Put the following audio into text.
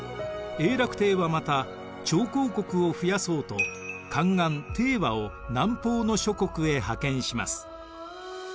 永楽帝はまた朝貢国を増やそうと宦官和を南方の諸国へ派遣します。